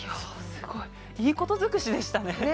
すごいいいこと尽くしでしたねね！